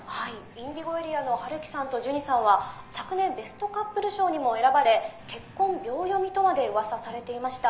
ＩｎｄｉｇｏＡＲＥＡの陽樹さんとジュニさんは昨年ベストカップル賞にも選ばれ結婚秒読みとまで噂されていました。